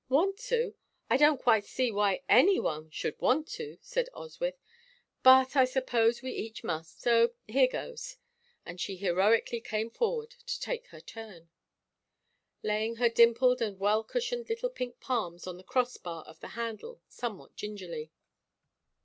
"Want to? I don't quite see why anyone should want to," said Oswyth, "but I suppose we each must, so here goes." And she heroically came forward to take her turn, laying her dimpled and well cushioned little pink palms on the cross bar of the handle somewhat gingerly.